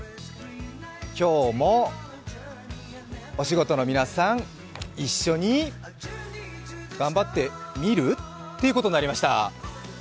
今日も、お仕事の皆さん、一緒に頑張ってみる！？っていうことになりました。